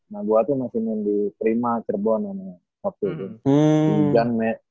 nah gue tuh masih main di prima cirebon ini waktu itu